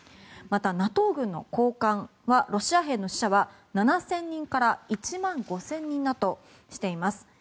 また、ＮＡＴＯ軍の高官はロシア兵の死者は７０００人から１万５０００人だとしています。